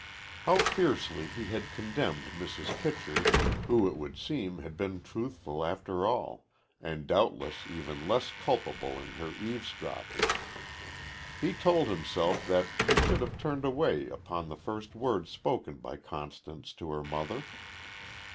How fiercely he had condemned Mrs. Kitcher, who, it would seem, had been truthful, after all, and doubtless even less culpable in her eavesdropping. He told himself that he should have turned away upon the first word spoken by Constance to her mother.